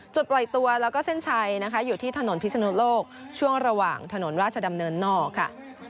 ปล่อยตัวแล้วก็เส้นชัยนะคะอยู่ที่ถนนพิศนุโลกช่วงระหว่างถนนราชดำเนินนอกค่ะ